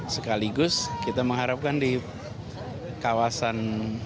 sekaligus kita mengharapkan di kawasan